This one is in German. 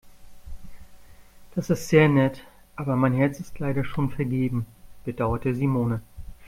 Das ist sehr nett, aber mein Herz ist leider schon vergeben, bedauerte Simone.